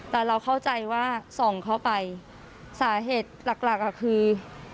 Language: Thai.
แต่เราเข้าใจว่าส่องเข้าไปสาเหตุหลักหลักคือ